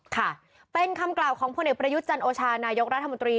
ค่ะเป็นคำกล่าวของพลเอกประยุทธ์จันโอชานายกรัฐมนตรี